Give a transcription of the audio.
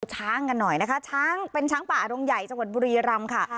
ช้างกันหน่อยนะคะช้างเป็นช้างป่าอารมใหญ่จังหวัดบุรีรำค่ะ